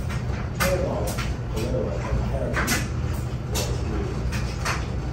Her mouth, however, and her feet were free.